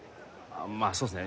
まあそうっすね